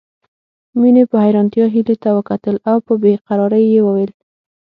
مينې په حيرانتيا هيلې ته وکتل او په بې قرارۍ يې وويل